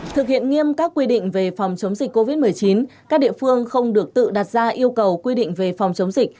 thực hiện nghiêm các quy định về phòng chống dịch covid một mươi chín các địa phương không được tự đặt ra yêu cầu quy định về phòng chống dịch